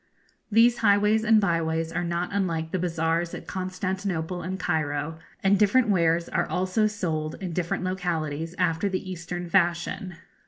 These highways and byways are not unlike the bazaars at Constantinople and Cairo, and different wares are also sold in different localities after the Eastern fashion.